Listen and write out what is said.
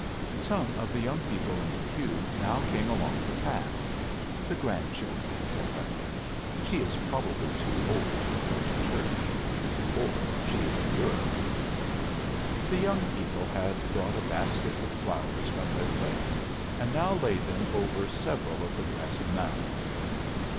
'" "Some of the young people in the pew now came along the path. 'The grandchildren,' said Ethel. 'She is probably too old to come to church. Or she is in Europe.'" "The young people had brought a basket with flowers from their place, and now laid them over several of the grassy mounds.